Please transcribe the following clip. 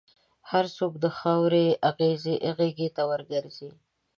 هر څوک د خاورې غېږ ته ورګرځي.